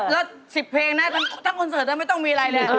และ๑๐เพลงนะจะมีทั้งคอนเสิร์ทแล้วไม่ต้องมีอะไร